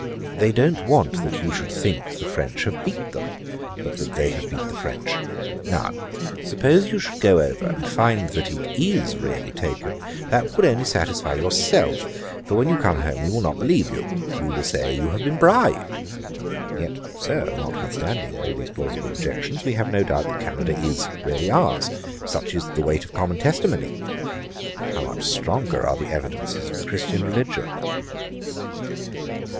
They don't want that you should think the French have beat them, but that they have beat the French. Now suppose you should go over and find that it is really taken, that would only satisfy yourself; for when you come home we will not believe you. We will say, you have been bribed. Yet, Sir, notwithstanding all these plausible objections, we have no doubt that Canada is really ours. Such is the weight of common testimony. How much stronger are the evidences of the Christian religion!'